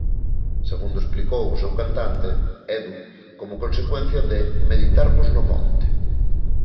Segundo explicou o seu cantante, Edu, como consecuencia de "meditarmos no monte".